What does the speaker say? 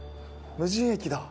無人駅だ。